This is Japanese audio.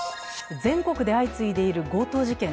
全国で相次いでいる強盗事件。